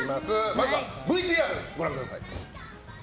まずはＶＴＲご覧ください。